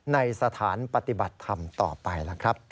ในสถานปฏิบัติธรรมต่อไปล่ะครับ